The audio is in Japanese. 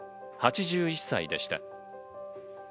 ８１歳でした。